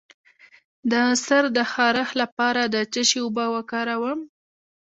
د سر د خارښ لپاره د څه شي اوبه وکاروم؟